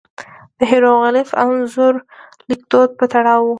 د هېروغلیف انځوریز لیکدود په تړاو وو.